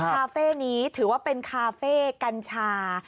คาเฟ่นี้ถือว่าเป็นคาเฟ่กัญชา